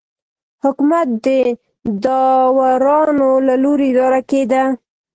حکومت د داورانو له لوري اداره کېده.